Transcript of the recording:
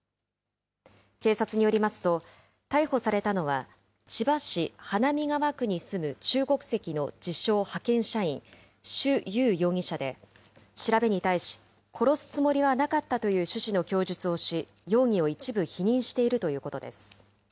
警察によりますと、逮捕されたのは千葉市花見川区に住む中国籍の自称派遣社員、朱ゆう容疑者で、調べに対し、殺すつもりはなかったという趣旨の供述をし、容疑を一部否認しているということです。